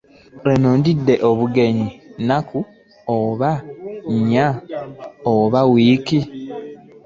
Eno ndidde obugenyi nakku oba nnya oba ewiiki .